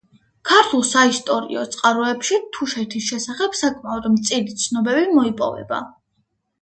ქართულ საისტორიო წყაროებში თუშეთის შესახებ საკმაოდ მწირი ცნობები მოიპოვება.